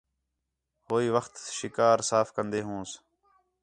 ہوئی وخت شِکار صاف کندے ہونس